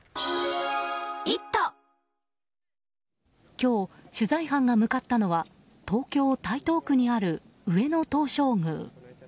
今日、取材班が向かったのは東京・台東区にある上野東照宮。